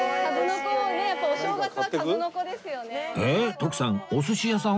徳さん